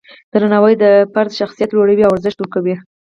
درناوی د فرد شخصیت لوړوي او ارزښت ورکوي.